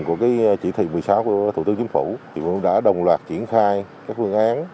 phần của chỉ thị một mươi sáu của thủ tướng chính phủ đã đồng loạt triển khai các phương án